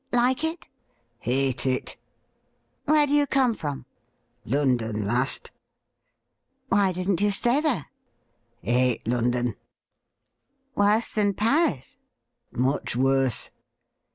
' Like it .?'' Hate it.' ' Where do you come from .?'' London last.' ' Why didn't you stay there ?'' Hate London.' ' Worse than Paris ?'' Much worse.'